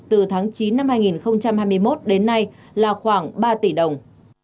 từ tháng chín năm hai nghìn hai mươi một đến nay là khoảng ba tỷ đồng